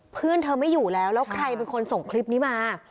เพื่อนเธอไม่อยู่แล้วแล้วใครเป็นคนส่งคลิปนี้มา